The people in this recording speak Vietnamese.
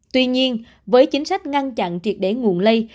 tuy nhiên với chính sách ngăn chặn triệt để nguồn lây